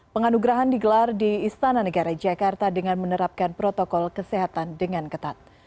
penganugerahan digelar di istana negara jakarta dengan menerapkan protokol kesehatan dengan ketat